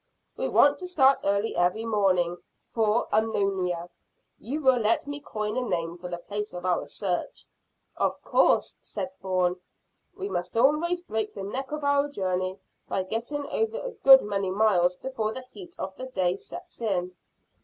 We want to start early every morning for Unknownia, if you will let me coin a name for the place of our search." "Of course," said Bourne. "We must always break the neck of our journey by getting over a good many miles before the heat of the day sets in."